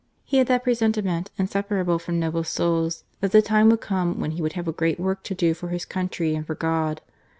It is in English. He had that presentiment inseparable from noble souls, that the time would come when he would have a great work to do for his country and for God.